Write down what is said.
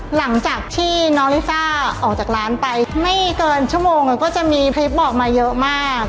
หลังจากที่น้องลิซ่าออกจากร้านไปไม่เกินชั่วโมงก็จะมีคลิปบอกมาเยอะมาก